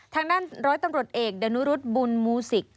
ทางด้านร้อยตำรวจเอกดานุรุษบุญมูสิก